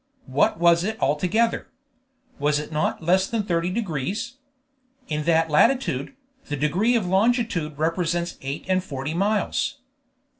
What was it altogether? Was it not less than thirty degrees? In that latitude, the degree of longitude represents eight and forty miles.